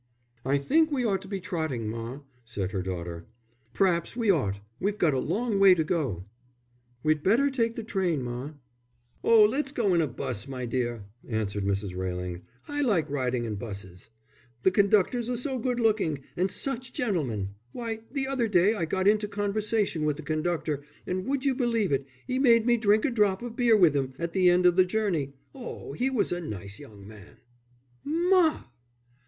"I think we ought to be trotting, ma," said her daughter. "P'raps we ought. We've got a long way to go." "We'd better take the train, ma." "Oh, let's go in a 'bus, my dear," answered Mrs. Railing. "I like riding in 'buses, the conductors are so good looking, and such gentlemen. Why, the other day I got into conversation with the conductor, and would you believe it, he made me drink a drop of beer with 'im at the end of the journey. Oh, he was a nice young man!" "Ma!"